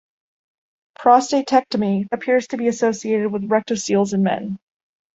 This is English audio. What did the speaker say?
Prostatectomy appears to be associated with rectoceles in men.